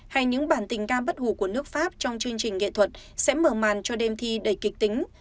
hay những bản tình ca bất hủ của nước pháp trong chương trình nghệ thuật sẽ mở màn cho đêm thi đầy kịch tính